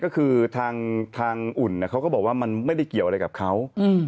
ก็คือทางอุ่นเขาก็บอกว่ามันไม่ได้เกี่ยวอะไรกับเขา